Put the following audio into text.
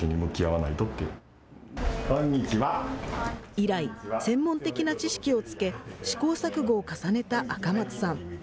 以来、専門的な知識をつけ、試行錯誤を重ねた赤松さん。